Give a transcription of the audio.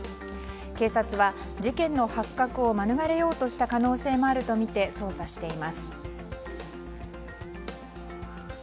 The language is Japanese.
警察は事件の発覚を免れようとした可能性もあるとみて捜査しています。